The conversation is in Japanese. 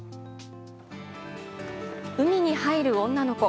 海に入る女の子。